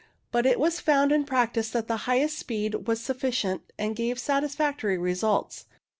But it was found in practice that the highest speed was sufficient and gave satisfactory results.